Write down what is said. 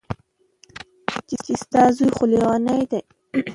چې ستا زوى خو ليونۍ دى.